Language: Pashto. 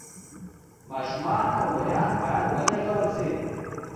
ماشومان او لویان باید ولېږدول شي